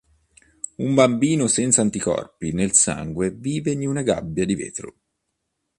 Un bambino senza anticorpi nel sangue vive in una gabbia di vetro.